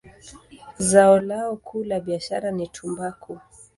Zao lao kuu la biashara ni tumbaku.